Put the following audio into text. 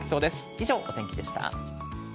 以上、お天気でした。